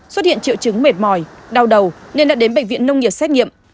xuất hiện triệu chứng mệt mỏi đau đầu nên đã đến bệnh viện nông nghiệp xét nghiệm